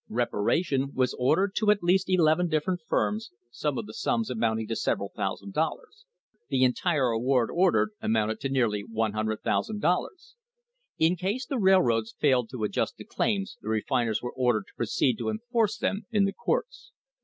Reparation was ordered to at least eleven different firms, some of the sums amounting to several thousand dollars ; the entire award ordered amounted to nearly $100,000. In case the railroads failed to adjust the claims the refiners were ordered to proceed to enforce them in the courts.